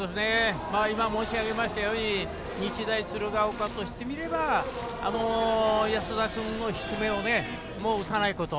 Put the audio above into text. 今、申し上げましたように日大鶴ヶ丘としてみれば安田君の低めを打たないこと。